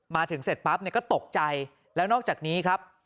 มาถึงเสร็จปั๊บเนี่ยก็ตกใจแล้วนอกจากนี้ครับ